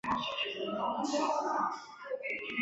普奈勒斯蒂大道向东通往古代城市从该城向东南延伸。